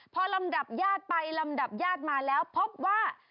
พอลำดับญาติไปลำดับญาติมาแล้วพบว่า